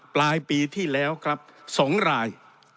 ปลายปีที่แล้วครับ๒ราย